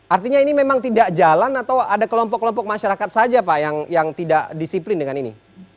artinya ini memang tidak jalan atau ada kelompok kelompok masyarakat saja pak yang tidak disiplin dengan ini